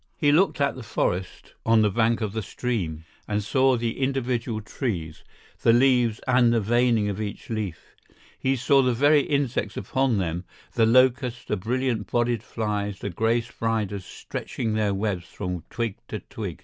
He looked at the forest on the bank of the stream, saw the individual trees, the leaves and the veining of each leaf—he saw the very insects upon them: the locusts, the brilliant bodied flies, the gray spiders stretching their webs from twig to twig.